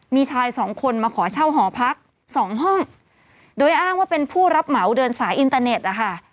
มีชายสองคนมาขอเช่าหอพักสองห้องโดยอ้างว่าเป็นผู้รับเหมาเดินสายอินเตอร์เน็ตนะคะ